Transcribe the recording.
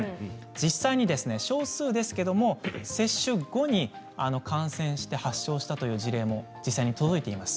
実際に少数ですけれども接種後に感染して発症したという事例も実際に届いています。